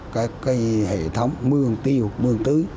các hệ thống mương tiêu mương tứ